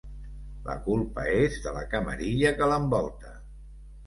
La culpa és de la camarilla que l'envolta.